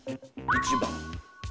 １番？